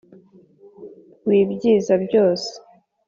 Wibyiza byose